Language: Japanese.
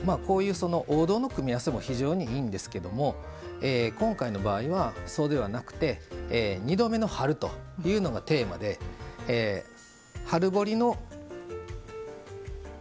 王道の組み合わせも非常にいいんですけども今回の場合はそうではなくて「２度目の春」というのがテーマで春掘りのジャーン！